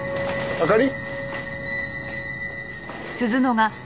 あかり！